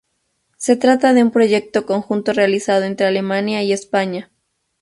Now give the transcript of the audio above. Se trata de un proyecto conjunto realizado entre Alemania y España.